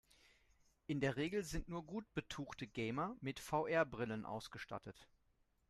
In der Regel sind nur gut betuchte Gamer mit VR-Brillen ausgestattet.